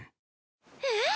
えっ！？